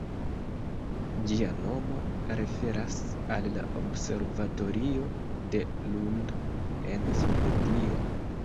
Ĝia nomo referas al la Observatorio de Lund en Svedio.